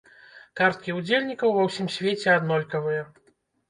Карткі удзельнікаў ва ўсім свеце аднолькавыя.